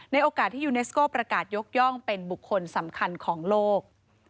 โอกาสที่ยูเนสโก้ประกาศยกย่องเป็นบุคคลสำคัญของโลก